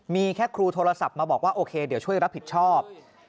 มีแค่ครูโทรศัพท์มาบอกว่าโอเคเดี๋ยวช่วยรับผิดชอบ